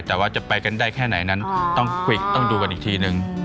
แต่ว่าจะไปกันได้แค่ไหนนั้นต้องควรรวิกต้องดูกันอีกที